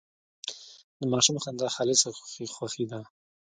د ماشوم خندا خالصه خوښي ده.